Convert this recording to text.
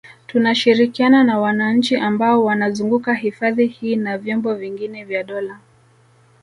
Tunashirikiana na wananchi ambao wanazunguka hifadhi hii na vyombo vingine vya dola